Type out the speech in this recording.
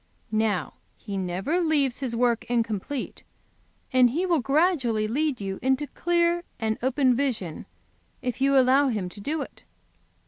Now He never leaves His work incomplete, and He will gradually lead you into clear and open vision, if you will allow Him to do it.